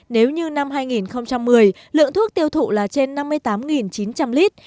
nếu như năm hai nghìn một mươi lượng thuốc tiêu thụ là trên năm mươi tám chín trăm linh lít